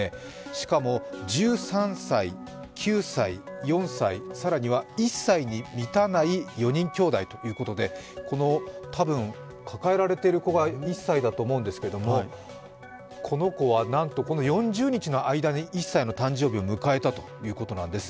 しかも、１３歳、９歳、４歳、更には１歳に満たない４人きょうだいということで、この多分、抱えられている子が１歳だと思うんですがこの子はなんと、この４０日の間に１歳の誕生日を迎えたということなんです。